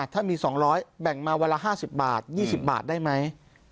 ถ้ามี๒๐๐แบ่งมาวันละ๕๐บาท๒๐บาทได้ไหม